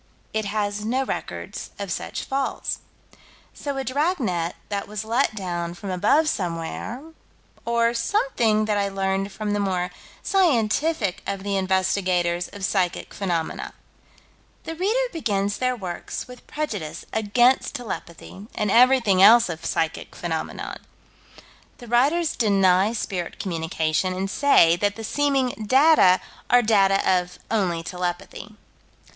It has no records of such falls. So a dragnet that was let down from above somewhere Or something that I learned from the more scientific of the investigators of psychic phenomena: The reader begins their works with prejudice against telepathy and everything else of psychic phenomena. The writers deny spirit communication, and say that the seeming data are data of "only telepathy."